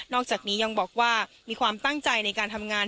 อกจากนี้ยังบอกว่ามีความตั้งใจในการทำงาน